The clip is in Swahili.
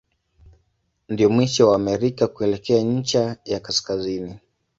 Ndio mwisho wa Amerika kuelekea ncha ya kaskazini.